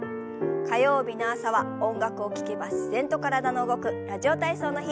火曜日の朝は音楽を聞けば自然と体の動く「ラジオ体操」の日。